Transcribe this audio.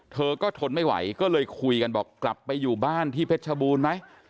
เธอก็ทนไม่ไหวก็เลยคุยกันบอกกลับไปอยู่บ้านที่เพชรชบูรณ์ไหม